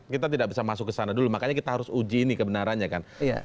kita tidak bisa masuk ke sana dulu makanya kita harus uji ini kebenarannya kan